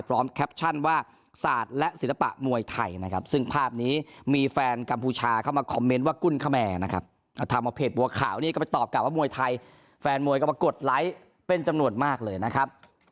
พร้อมแคปชั่นว่าสาธุและศรีศพะมวยไทยนะครับ